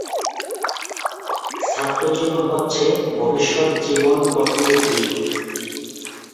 ছাত্রজীবন হচ্ছে ভবিষ্যত জীবন গঠনের ভিত।